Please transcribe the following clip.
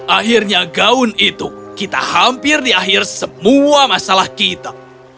akhirnya gaun itu kita hampir di akhir semua masalah kita